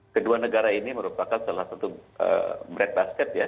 kedua negara ini merupakan salah satu bread basket ya